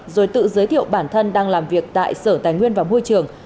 rồi tự giới thiệu bản thân đang làm việc tại sở tài nguyên và môi trường